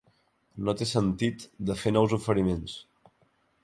No té sentit de fer nous oferiments.